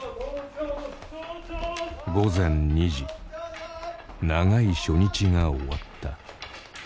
午前２時長い初日が終わった。